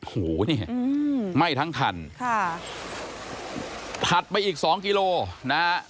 หูเนี่ยไหม้ทั้งคันค่ะถัดไปอีกสองกิโลนะฮะ